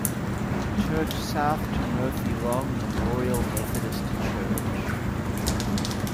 Church South to Murphy-Long Memorial Methodist Church.